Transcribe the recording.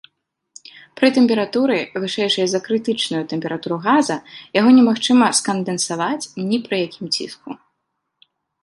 Пры тэмпературы, вышэйшай за крытычную тэмпературу газа, яго немагчыма скандэнсаваць ні пры якім ціску.